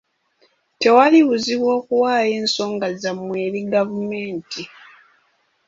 Tewali buzibu okuwaayo ensonga zammwe eri gavumenti.